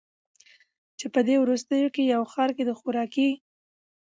چي په دې وروستیو کي په ښار کي د خوراکي